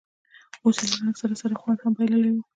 اوس یې له رنګ سره سره خوند هم بایللی و.